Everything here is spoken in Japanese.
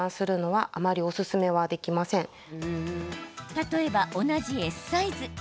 例えば、同じＳサイズ。